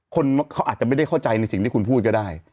คนเขาอาจจะไม่ได้เข้าใจในสิ่งที่คุณพูดก็ได้